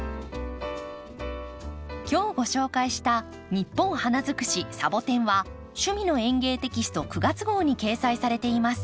今日ご紹介した「ニッポン花づくしサボテン」は「趣味の園芸」テキスト９月号に掲載されています。